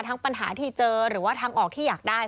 ปัญหาที่เจอหรือว่าทางออกที่อยากได้